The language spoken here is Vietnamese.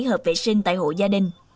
hợp vệ sinh tại hộ gia đình